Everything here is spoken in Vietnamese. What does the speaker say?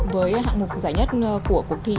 với hạng mục giải nhất của cuộc thi